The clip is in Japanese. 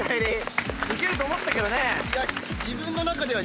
いけると思ったけどね。